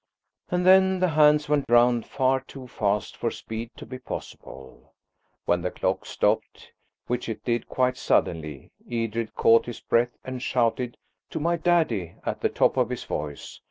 And then the hands went round far too fast for speed to be possible. When the clock stopped, which it did quite suddenly, Edred caught his breath and shouted, "To my daddy!" at the top of his voice.